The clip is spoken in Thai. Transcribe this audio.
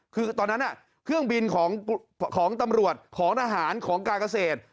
คือตอนนั้นเครื่องบินของตำรวจของทหารของการเกษตร